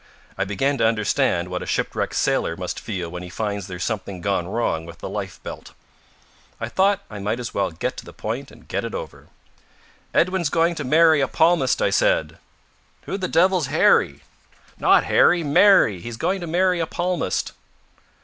I began to understand what a shipwrecked sailor must feel when he finds there's something gone wrong with the life belt. I thought I might as well get to the point and get it over. "Edwin's going to marry a palmist," I said. "Who the devil's Harry?" "Not Harry. Marry. He's going to marry a palmist."